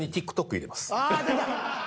ああ出た！